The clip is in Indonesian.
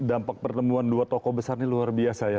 dampak pertemuan dua tokoh besar ini luar biasa ya